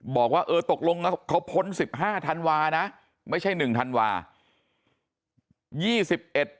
บอกว่าเออตกลงแล้วเขาพ้น๑๕ธันวานะไม่ใช่๑ธันวาคม